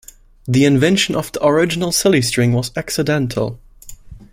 The invention of the original silly string was accidental.